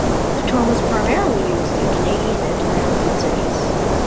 The term is primarily used in Canadian and American cities.